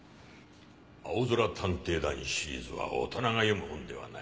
『あおぞら探偵団』シリーズは大人が読む本ではない。